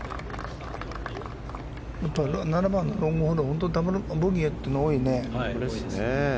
７番のロングホールダブルボギーってのが多いね。